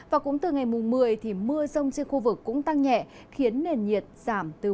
và cũng từ ngày mùa một mươi mưa rông trên khu vực cũng tăng nhẹ khiến nền nhiệt giảm từ một hai độ